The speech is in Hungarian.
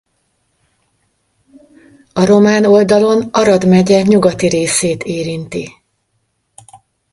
A román oldalon Arad megye nyugati részét érinti.